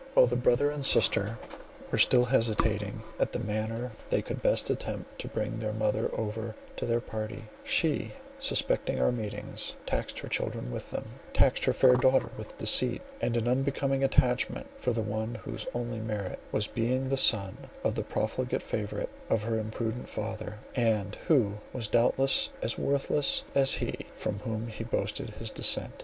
While the brother and sister were still hesitating in what manner they could best attempt to bring their mother over to their party, she, suspecting our meetings, taxed her children with them; taxed her fair daughter with deceit, and an unbecoming attachment for one whose only merit was being the son of the profligate favourite of her imprudent father; and who was doubtless as worthless as he from whom he boasted his descent.